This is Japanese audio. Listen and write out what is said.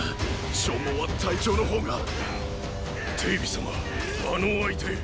消耗は隊長の方が！程備様あの相手！